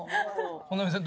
本並さん